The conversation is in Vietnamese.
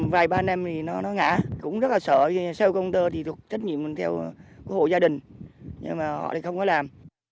vài ba năm thì nó ngã cũng rất là sợ sau công tơ thì thuộc trách nhiệm của hộ gia đình nhưng mà họ thì không có làm